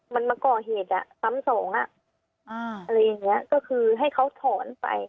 มันมาก่อเหตุอ่ะซ้ำสองอ่ะอะไรอย่างเงี้ยก็คือให้เขาถอนไป